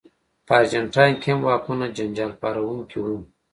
په ارجنټاین کې هم واکونه جنجال پاروونکي وو.